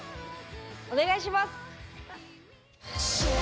お願いします！